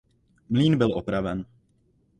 Mlýn byl opraven.